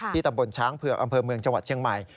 ตำบลช้างเผือกอำเภอเมืองจังหวัดเชียงใหม่